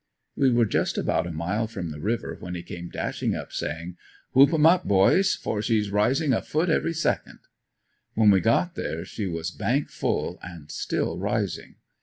We were just about a mile from the river when he came dashing up saying: "Whoop 'em up boys! for she's rising a foot every second." When we got there she was "bank full" and still rising.